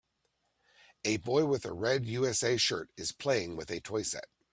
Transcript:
A boy with a red USA shirt is playing with a toy set